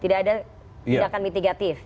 tidak ada kebijakan mitigatif